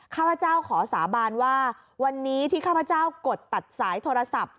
ข้าพเจ้าขอสาบานว่าวันนี้ที่ข้าพเจ้ากดตัดสายโทรศัพท์